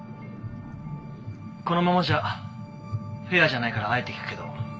「このままじゃフェアじゃないからあえて聞くけど」。